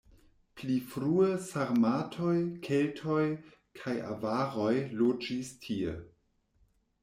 Pli frue sarmatoj, keltoj kaj avaroj loĝis tie.